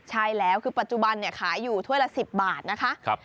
ใช่แล้วคือปัจจุบันขายอยู่ถ้วยละ๑๐บาทนะคะ